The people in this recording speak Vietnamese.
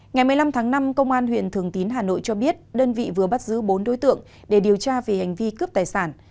ngày một mươi năm tháng năm công an huyện thường tín hà nội cho biết đơn vị vừa bắt giữ bốn đối tượng để điều tra về hành vi cướp tài sản